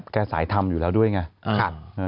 ก็สายทำอยู่แล้วด้วยไง